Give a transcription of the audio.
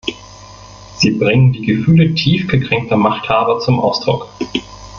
Sie bringen die Gefühle tief gekränkter Machthaber zum Ausdruck.